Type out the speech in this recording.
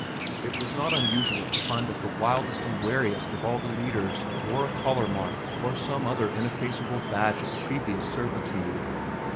It was not unusual to find that the wildest and wariest of all the leaders bore a collar mark or some other ineffaceable badge of previous servitude.